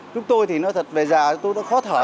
chúng tôi thì nói thật về già tôi nó khó thở